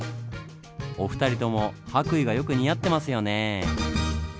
お二人とも白衣がよく似合ってますよねぇ。